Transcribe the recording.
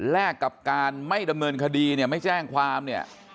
แลกกับการไม่ดำเนินคดีเนี่ยไม่แจ้งความเนี่ย